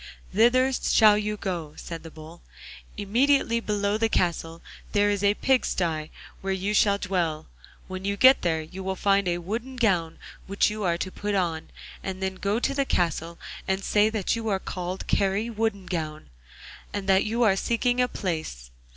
'Thither shall you go,' said the Bull; 'immediately below the castle there is a pig sty, where you shall dwell. When you get there, you will find a wooden gown which you are to put on, and then go to the castle and say that you are called Kari Woodengown, and that you are seeking a place.